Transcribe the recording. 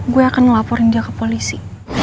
gue akan melaporin dia ke polisi